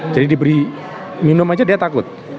jadi diberi minum aja dia takut